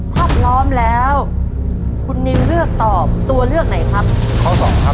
เป็นพ่อบ้านทุกซอกทุกมุมผมรู้หมดครับ